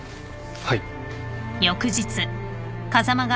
はい。